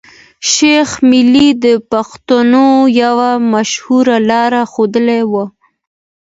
شېخ ملي د پښتنو يو مشهور لار ښود وو.